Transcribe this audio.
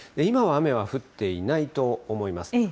今は雨も降っていないと思います。